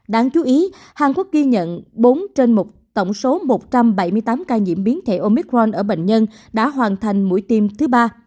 đáng chú ý hàn quốc ghi nhận bốn trên một tổng số một trăm bảy mươi tám ca nhiễm biến thể omicron ở bệnh nhân đã hoàn thành mũi tiêm thứ ba